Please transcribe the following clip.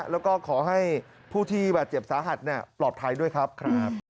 แล้วก็ขอให้ผู้ที่บาดเจ็บสาหัสปลอดภัยด้วยครับ